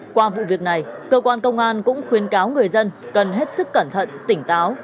qua vụ việc này cơ quan công an cũng khuyến cáo người dân cần hết sức cẩn thận tỉnh táo